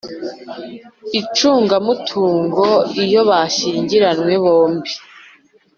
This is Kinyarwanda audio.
icungamutungo iyo bashyingiranywe bombi.